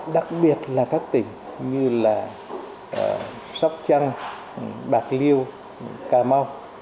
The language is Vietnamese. đặc biệt là các tỉnh như là sóc trăng bạc liêu cà mau